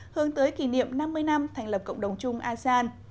hướng tới kỷ niệm năm mươi năm thành lập cộng đồng chung asean